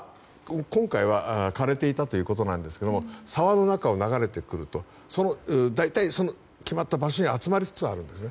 今回は枯れていたということですが沢の中を流れてくると大体決まった場所に集まりつつあるんです。